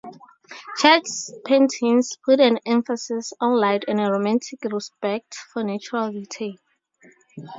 Church's paintings put an emphasis on light and a Romantic respect for natural detail.